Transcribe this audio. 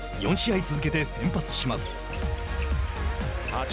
４試合続けて先発します。